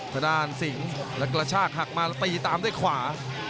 พระดารกับสิงหล์และกระชากหลักมาตีตามในขวา